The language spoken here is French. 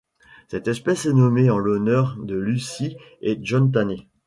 Cette espèce est nommée en l'honneur de Lucie et John Tanner.